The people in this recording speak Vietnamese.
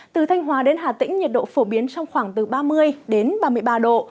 từ thanh hóa đến hà tĩnh nhiệt độ phổ biến trong khoảng từ ba mươi đến ba mươi ba độ